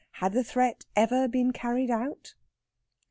Had the threat ever been carried out?